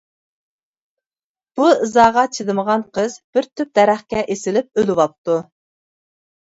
بۇ ئىزاغا چىدىمىغان قىز بىر تۈپ دەرەخكە ئېسىلىپ ئۆلۈۋاپتۇ.